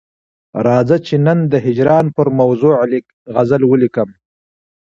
راځه چې نن دي د هجران پر موضوع غزل ولیکم.